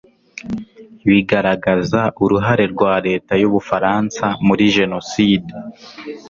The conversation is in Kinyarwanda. bigaragaza uruhare rwa leta y'ubufaransa muri jenoside